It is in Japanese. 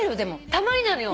たまになのよ。